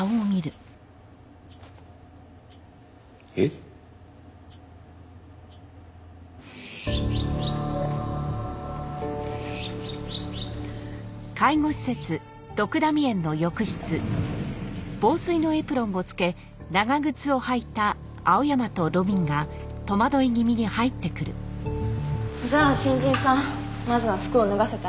えっ？じゃあ新人さんまずは服を脱がせてあげて。